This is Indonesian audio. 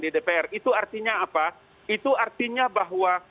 di dpr itu artinya apa itu artinya bahwa